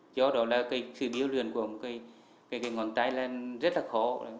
do đó là cái sự điêu luyện của một cái ngón tay là rất là khó